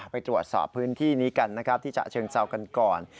ไปตรวจสอบพื้นที่นี้กันนะครับที่ฉะเชิงเซากันก่อน